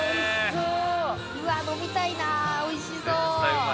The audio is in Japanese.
うわ飲みたいなおいしそう。